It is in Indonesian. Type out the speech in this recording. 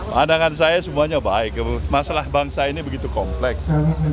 pandangan saya semuanya baik masalah bangsa ini begitu kompleks